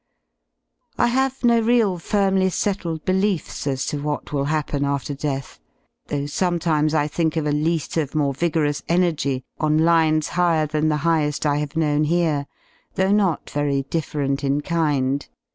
I have no real firmly settled beliefs as to what will happen after death, though sometimes I think of a lease of more vigorous energy on lines higher than the highe^ I have known here, though not very different in kind.